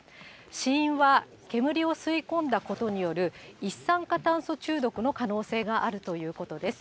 死因は煙を吸い込んだことによる一酸化炭素中毒の可能性があるということです。